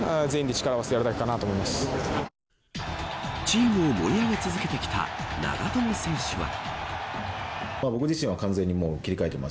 チームを盛り上げ続けてきた長友選手は。